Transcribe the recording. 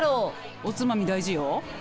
おつまみ大事よ。